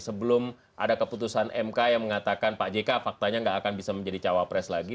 sebelum ada keputusan mk yang mengatakan pak jk faktanya nggak akan bisa menjadi cawapres lagi